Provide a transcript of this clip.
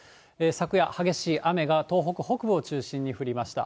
昨夜、激しい雨が東北北部を中心に降りました。